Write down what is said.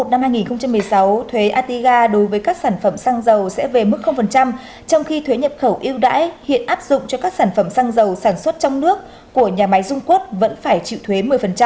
trong năm hai nghìn một mươi sáu thuế atiga đối với các sản phẩm xăng dầu sẽ về mức trong khi thuế nhập khẩu yêu đãi hiện áp dụng cho các sản phẩm xăng dầu sản xuất trong nước của nhà máy dung quất vẫn phải chịu thuế một mươi